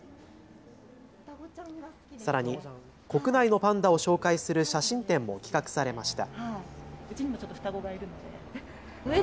さらに国内のパンダを紹介する写真展も企画されました。